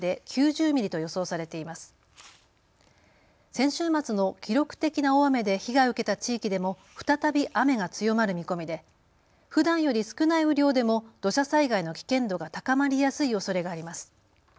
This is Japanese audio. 先週末の記録的な大雨で被害を受けた地域でも再び雨が強まる見込みでふだんより少ない雨量でも土砂災害の危険度が高まりやすいおそれがあります。